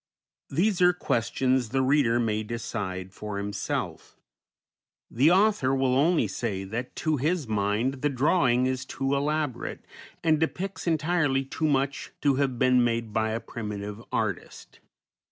These are questions the reader may decide for himself; the author will only say that to his mind the drawing is too elaborate, and depicts entirely too much to have been made by a primitive artist.